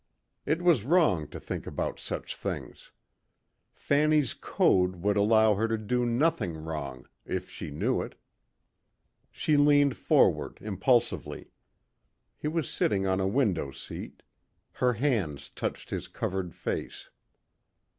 It was wrong to think about such things. Fanny's code would allow her to do nothing wrong if she knew it. She leaned forward impulsively. He was sitting on a window seat. Her hands touched his covered face.